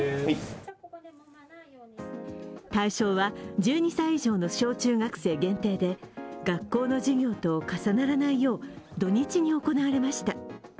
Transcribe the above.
対象は１２歳以上の小中学生限定で学校の授業と重ならないよう土日に行われました。